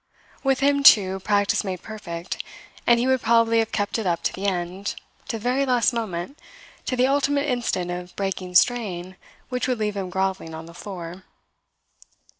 With him, too, practice made perfect; and he would probably have kept it up to the end, to the very last moment, to the ultimate instant of breaking strain which would leave him grovelling on the floor.